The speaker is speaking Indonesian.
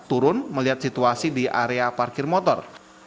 turun melihat situasi di area parkir motor